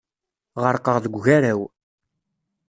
Ɣerqeɣ deg ugaraw.